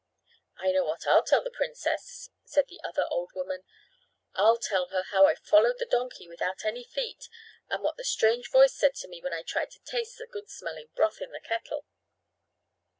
"I know what I'll tell the princess," said the other old woman. "I'll tell her how I followed the donkey without any feet and what that strange voice said to me when I tried to taste the good smelling broth in the kettle."